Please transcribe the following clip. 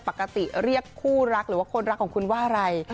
ปกติเรียกคู่รักหรือว่าคนรักของคุณว่าอะไร